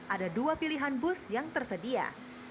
ada dua pilihan bus yang tersedia